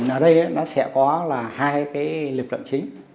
ở đây nó sẽ có là hai cái lực lượng chính